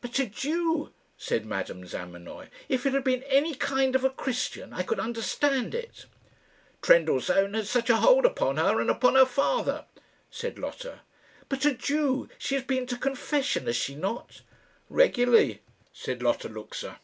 "But a Jew!" said Madame Zamenoy. "If it had been any kind of a Christian, I could understand it." "Trendellsohn has such a hold upon her, and upon her father," said Lotta. "But a Jew! She has been to confession, has she not?" "Regularly," said Lotta Luxa.